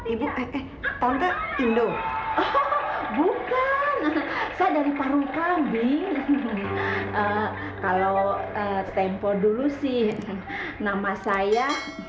ibu eh tante indo bukan saya dari parungkambing kalau tempo dulu sih nama saya